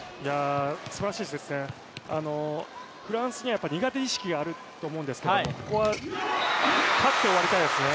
すばらしい接戦、フランスには苦手意識があると思うんですけどここは勝って終わりたいですね。